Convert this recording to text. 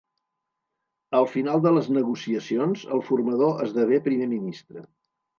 Al final de les negociacions, el formador esdevé primer ministre.